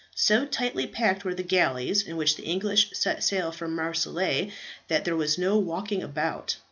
So tightly packed were the galleys in which the English set sail from Marseilles, that there was no walking about.